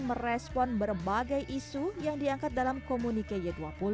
merespon berbagai isu yang diangkat dalam komunike y dua puluh